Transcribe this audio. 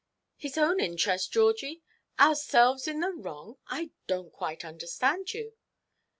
"His own interest, Georgie! Ourselves in the wrong! I donʼt quite understand you."